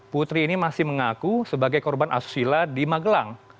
putri ini masih mengaku sebagai korban asusila di magelang